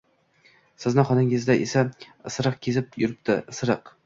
Sizni xonadoningazda esa... isiriq kezib yuribdi, isiriq!